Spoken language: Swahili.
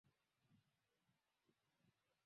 hata kama kushambulia binadamu Hata hivyo hakuna